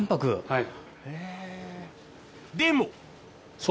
はい。